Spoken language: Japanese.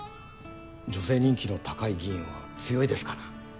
女性人気の高い議員は強いですから。